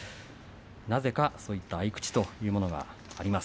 なぜかそういった合い口というものがあります。